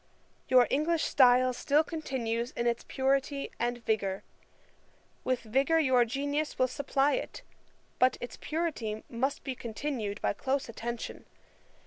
Your English style still continues in its purity and vigour. With vigour your genius will supply it; but its purity must be continued by close attention.